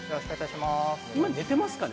今、寝てますかね？